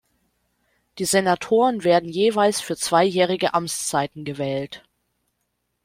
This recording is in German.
Die Senatoren werden jeweils für zweijährige Amtszeiten gewählt.